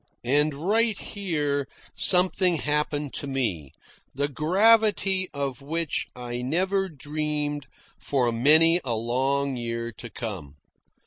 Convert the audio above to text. And right here something happened to me, the gravity of which I never dreamed for many a long year to come.